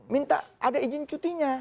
minta ada izin cutinya